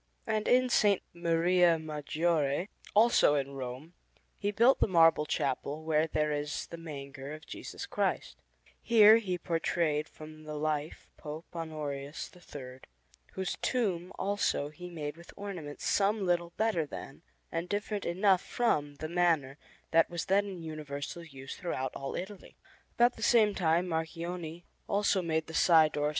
And in S. Maria Maggiore, also in Rome, he built the marble chapel where there is the Manger of Jesus Christ; here he portrayed from the life Pope Honorius III, whose tomb, also, he made, with ornaments some little better than and different enough from the manner that was then in universal use throughout all Italy. About the same time Marchionne also made the side door of S.